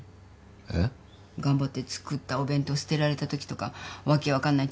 えっ？頑張って作ったお弁当捨てられたときとか訳分かんない